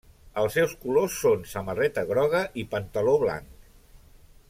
Els seus colors són samarreta groga i pantaló blanc.